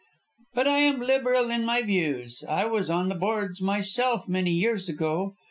But I am liberal in my views I was on the boards myself many years ago.